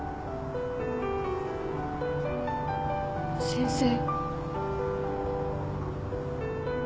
先生。